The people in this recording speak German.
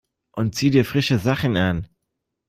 Und zieh dir frische Sachen an!